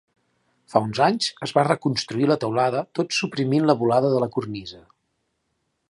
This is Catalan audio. Fa uns anys es va reconstruir la teulada tot suprimint la volada de la cornisa.